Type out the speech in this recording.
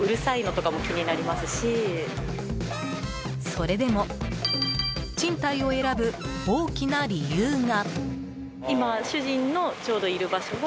それでも賃貸を選ぶ大きな理由が。